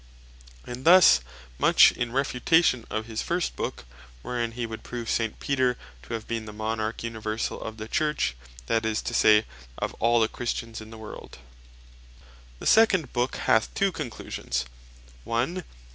And thus much in refutation of his first Book, wherein hee would prove St. Peter to have been the Monarch Universall of the Church, that is to say, of all the Christians in the world. The Second Book The second Book hath two Conclusions: One, that S.